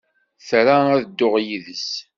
Tra ad dduɣ yid-s.